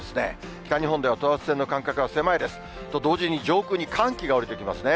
北日本では等圧線の間隔が狭いです。と同時に上空に寒気が降りてきますね。